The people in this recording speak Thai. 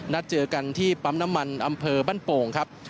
นัดเจอกันที่ปั๊มน้ำมันอำเภอบ้านโป่งครับ